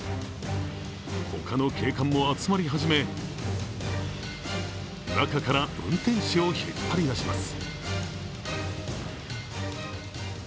他の警官も集まり始め、中から運転手を引っ張り出します。